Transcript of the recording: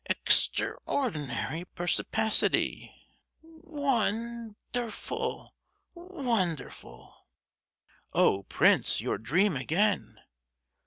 Ex—traordinary perspicacity! Won—derful, wonderful!" "Oh, prince; your dream again!"